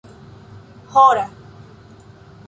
hora